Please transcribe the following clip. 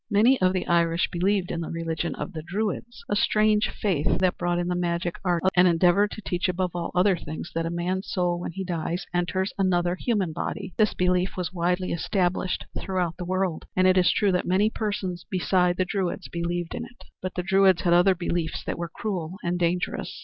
Many of the Irish believed in the religion of the Druids a strange faith that brought in the magic arts and endeavored to teach above all other things that a man's soul when he dies enters another human body. This belief was widely established throughout the world, and it is true that many persons beside the Druids believed in it; but the Druids had other beliefs that were cruel and dangerous.